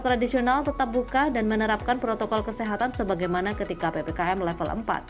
tradisional tetap buka dan menerapkan protokol kesehatan sebagaimana ketika ppkm level empat